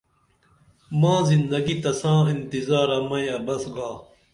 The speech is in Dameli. ماں زندگی تساں انتظارہ مئی عبس گا